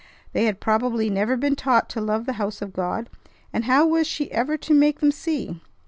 They had probably never been taught to love the house of God, and how was she ever to make them see?